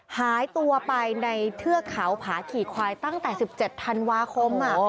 หายตัวไปในเทือกเขาผาขี่ควายตั้งแต่๑๗ธันวาคม